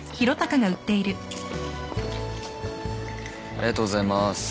ありがとうございます。